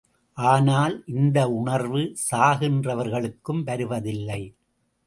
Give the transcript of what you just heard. ஆனால், இந்த உணர்வு சாகின்றவர்களுக்கும் வருவதில்லை.